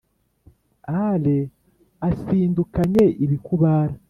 ale asindukanye ibikubara